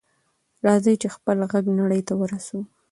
راځئ چې خپل غږ نړۍ ته ورسوو.